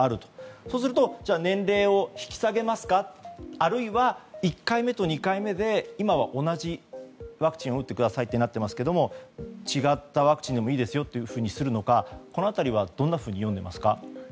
そうすると年齢を引き下げますかあるいは１回目と２回目で今は同じワクチンを打ってくださいとなっていますが違ったワクチンでもいいですよとするのかこの辺りはどんなふうに読んでますか。